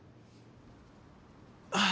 ああ。